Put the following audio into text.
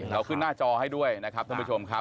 เราขึ้นหน้าจอให้ด้วยนะครับท่านผู้ชมครับ